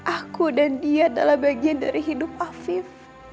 aku dan dia adalah bagian dari hidup afif